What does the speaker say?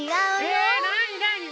えなになに？